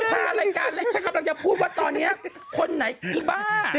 พารายการเล็กฉันกำลังจะพูดว่าตอนนี้คนไหนอีบ้า